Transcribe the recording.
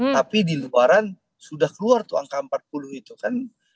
tapi di luaran sudah keluar tuh angka empat puluh itu kan